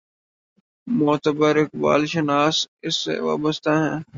معتبر اقبال شناس اس سے وابستہ ہیں۔